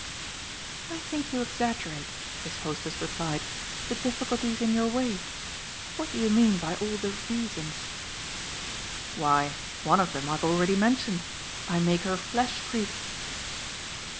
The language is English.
"I think you exaggerate," his hostess replied, "the difficulties in your way. What do you mean by all the 'reasons'?" "Why one of them I've already mentioned. I make her flesh creep."